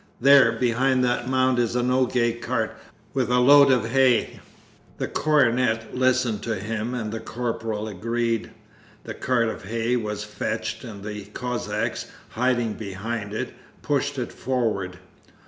There behind that mound is a Nogay cart with a load of hay.' The cornet listened to him and the corporal agreed. The cart of hay was fetched, and the Cossacks, hiding behind it, pushed it forward.